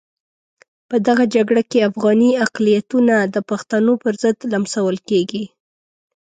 په دغه جګړه کې افغاني اقلیتونه د پښتنو پرضد لمسول کېږي.